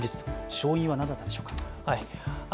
勝因は何だったんでしょうか。